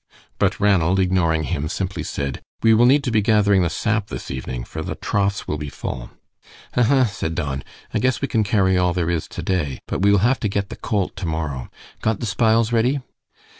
But Ranald, ignoring him, simply said, "We will need to be gathering the sap this evening, for the troughs will be full." "Huh huh," said Don. "I guess we can carry all there is to day, but we will have to get the colt to morrow. Got the spiles ready?"